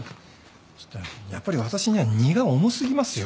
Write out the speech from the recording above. ちょっとやっぱり私には荷が重過ぎますよ。